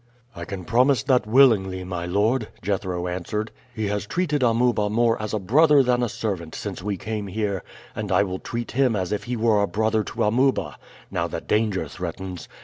"I can promise that willingly, my lord," Jethro answered. "He has treated Amuba more as a brother than a servant since we came here, and I will treat him as if he were a brother to Amuba, now that danger threatens.